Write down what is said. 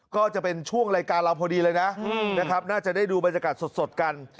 ก็จะเป็นช่วงรายการเราพอดีเลยนะนะครับน่าจะได้ดูบรรยากาศสดกัน